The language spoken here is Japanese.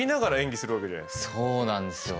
そうなんですよ。